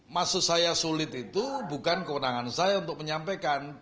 maksud saya sulit itu bukan kewenangan saya untuk menyampaikan